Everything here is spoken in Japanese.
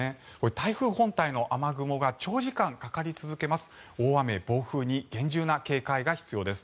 台風本体の雨雲が長時間かかり続けます。